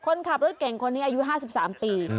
คนขับรถเก่งคนนี้อายุ๕๓ปี